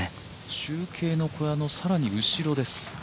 中継の小屋の更に後ろです。